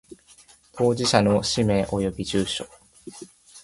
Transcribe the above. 当事者の氏名及び住所